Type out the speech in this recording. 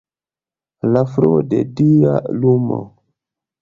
La fluo de dia lumo.